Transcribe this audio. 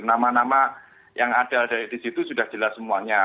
nama nama yang ada di situ sudah jelas semuanya